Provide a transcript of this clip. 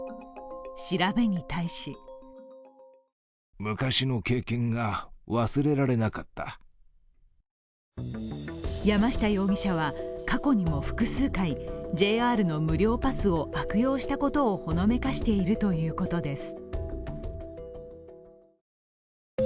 調べに対し山下容疑者は過去にも複数回ＪＲの無料パスを悪用したことをほのめかしているということです。